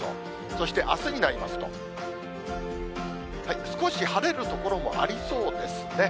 そしてあすになりますと、少し晴れる所もありそうですね。